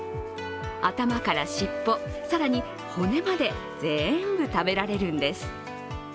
頭から尻尾、更に骨まで全部食べられるんです。